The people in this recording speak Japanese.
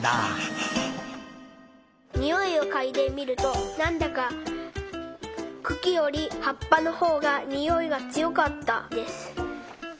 「においをかいでみるとなんだかくきよりはっぱのほうがにおいがつよかったです」。